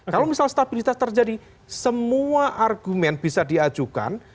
kalau misal stabilitas terjadi semua argumen bisa diajukan